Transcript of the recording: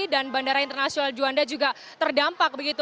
dan bandara internasional juanda juga terdampak